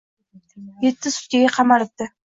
Yetti sutkaga qamalibdi.